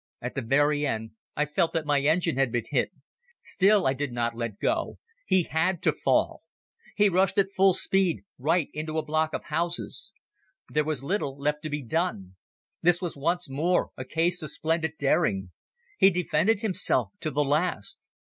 At the very end I felt that my engine had been hit. Still I did not let go. He had to fall. He rushed at full speed right into a block of houses. There was little left to be done. This was once more a case of splendid daring. He defended himself to the last.